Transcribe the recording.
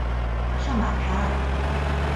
圣马凯尔。